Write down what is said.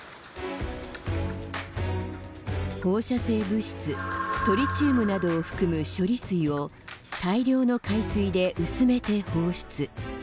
放射性物質トリチウムなどを含む処理水を大量の海水で薄めて放出。